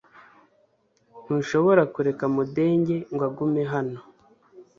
Ntushobora kureka Mudenge ngo agume hano .